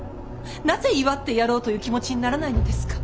なぜ祝ってやろうという気持ちにならないのですか。